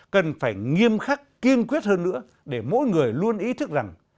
cần phải nghiêm khắc kiên quyết hơn nữa để mỗi người luôn ý thức rằng